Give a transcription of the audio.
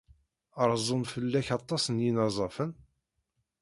Rezzun-d fell-ak aṭas n yinerzafen?